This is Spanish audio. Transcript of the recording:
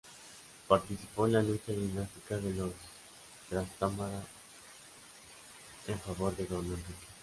Participó en la lucha dinástica de los Trastámara en favor de Don Enrique.